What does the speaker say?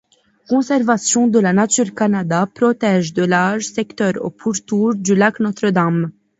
Conservation de la nature Canada protège de larges secteurs au pourtour du lac Notre-Dame.